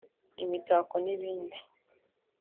imitako n’ibindi